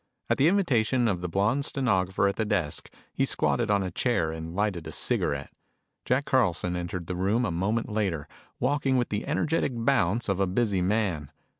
At the invitation of the blonde stenographer at the desk, he squatted on a chair and lighted a cigarette. Jack Carlson entered the room a moment later, walking with the energetic bounce of a busy man.